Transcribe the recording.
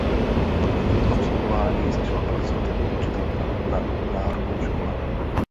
Po jejím absolvování začala pracovat jako učitelka na národní škole.